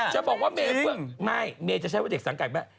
ชะบอกว่าไม่จะใช้ว่าเด็กสังกัด